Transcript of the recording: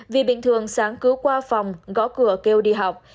vì bình thường sáng cứ qua phòng gõ cửa kêu đi học